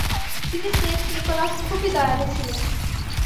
তিনি Saint Nicholas খুবই দয়ালু ছিলেন।